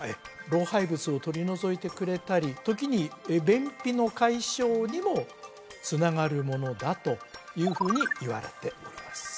老廃物を取り除いてくれたり時に便秘の解消にもつながるものだというふうにいわれております